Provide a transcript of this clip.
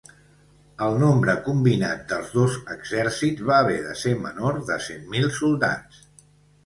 El nombre combinat dels dos exèrcits va haver de ser menor de cent mil soldats.